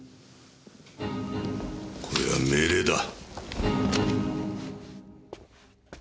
これは命令だ。